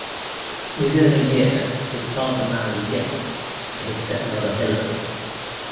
Within a year, his father married again to his step-mother, Hilary.